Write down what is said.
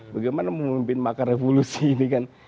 bagaimana memimpin makar revolusi ini kan